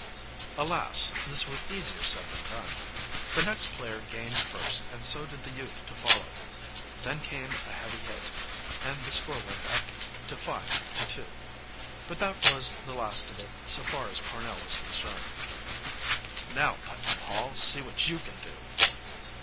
Alas! This was easier said than done. The next player gained first, and so did the youth to follow. Then came a heavy hit, and the score went up to 5 to 2. But that was the last of it, so far as Pornell was concerned. "Now, Putnam Hall, see what you can do!"